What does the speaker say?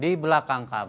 di belakang kamu